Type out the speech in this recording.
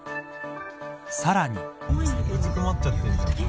さらに。